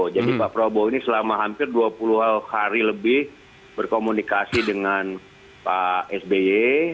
jadi pak prabowo ini selama hampir dua puluh hari lebih berkomunikasi dengan pak sby